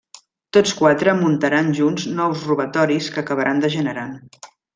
Tots quatre muntaran junts nous robatoris que acabaran degenerant.